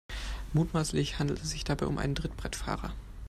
Mutmaßlich handelt es sich dabei um einen Trittbrettfahrer.